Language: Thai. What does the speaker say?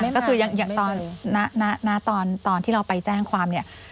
ก็คือยังตอนที่เราไปแจ้งความเนี่ย